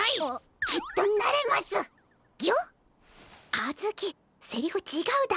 あずきセリフちがうだろ。